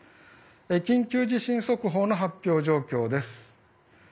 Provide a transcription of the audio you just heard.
緊急地震速報の発表状況です。